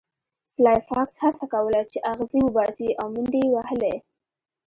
سلای فاکس هڅه کوله چې اغزي وباسي او منډې یې وهلې